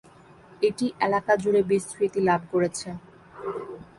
এটি এলাকা জুড়ে বিস্তৃতি লাভ করেছে।